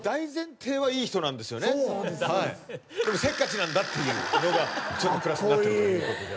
でもせっかちなんだっていうのがプラスになってるということで。